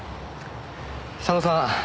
佐野さん